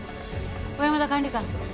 小山田管理官。